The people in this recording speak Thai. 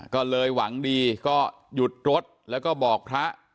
ก็เลยหวังดีก็หยุดรถแล้วก็บอกพระ